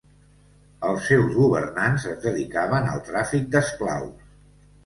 Els seus governants es dedicaven al tràfic d’esclaus.